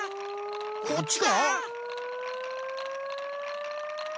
こっちか？